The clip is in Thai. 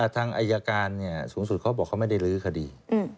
ทางอายการสูงสุดเขาบอกเขาไม่ได้ลื้อคดี